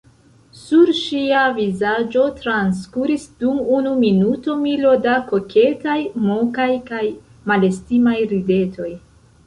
Sur ŝia vizaĝo transkuris dum unu minuto milo da koketaj, mokaj kaj malestimaj ridetoj.